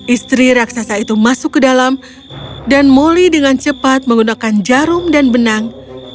istri raksasa itu masuk ke dalam dan moli dengan cepat menggunakan jarum dan benang